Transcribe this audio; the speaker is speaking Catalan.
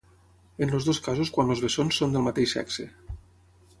En els dos casos quan els bessons són del mateix sexe.